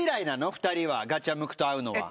２人はガチャムクと会うのは。